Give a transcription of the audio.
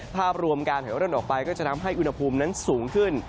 ภาพรวมการถอยร่นออกไปก็จะทำให้อุณหภูมินั้นสูงขึ้น